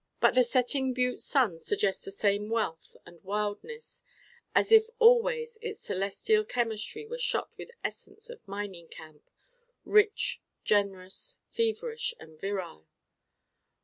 But the setting Butte sun suggests the same wealth and wildness as if always its celestial chemistry were shot with essence of mining camp: rich, generous, feverish and virile.